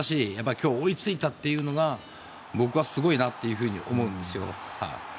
今日、追いついたというのが僕はすごいなと思うんですよ。